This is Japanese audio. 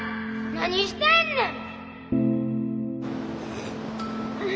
何してんねん！